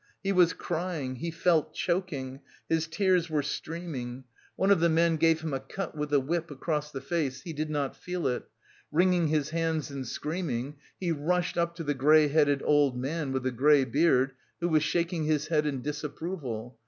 He was crying, he felt choking, his tears were streaming. One of the men gave him a cut with the whip across the face, he did not feel it. Wringing his hands and screaming, he rushed up to the grey headed old man with the grey beard, who was shaking his head in disapproval.